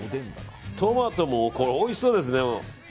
トマトもおいしそうですね。